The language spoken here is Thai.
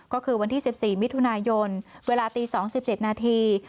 ก็คือวันที่๑๔มิถุนายนเวลาตี๒๗นาที